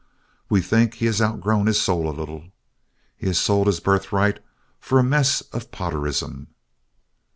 We think he has outgrown his soul a little. He has sold his birthright for a mess of potterism.